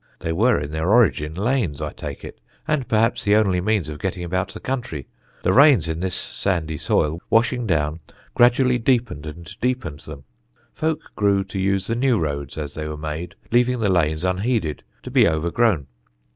They were in their origin lanes, I take it, and perhaps the only means of getting about the country. The rains, in this sandy soil, washing down, gradually deepened and deepened them. Folks grew to use the new roads as they were made, leaving the lanes unheeded, to be overgrown.